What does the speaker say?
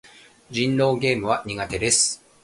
人狼ゲームは苦手です。